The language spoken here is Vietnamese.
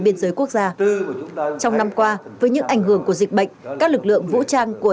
biên giới quốc gia trong năm qua với những ảnh hưởng của dịch bệnh các lực lượng vũ trang của